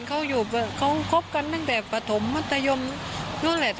เขาอยู่เขาคบกันตั้งแต่ปฐมมัธยมนู่นแหละ